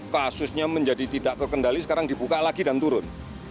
kasusnya menjadi tidak terkendali sekarang dibuka lagi dan turun